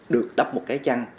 được đắp một cái chăn